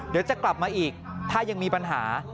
เดี๋ยวจะกลับมาอีกถ้ายังมีปัญหา